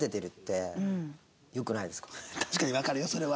確かにわかるよそれは。